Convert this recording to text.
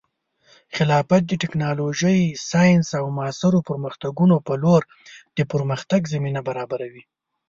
خلافت د ټیکنالوژۍ، ساینس، او معاصرو پرمختګونو په لور د پرمختګ زمینه برابروي.